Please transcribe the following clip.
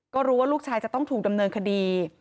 ก็รู้ว่าลูกชายจะต้องถูกดำเนินคดี